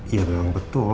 iya memang betul